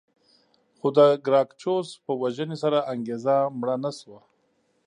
خو د ګراکچوس په وژنې سره انګېزه مړه نه شوه